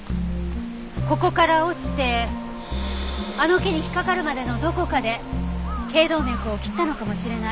ここから落ちてあの木に引っかかるまでのどこかで頸動脈を切ったのかもしれない。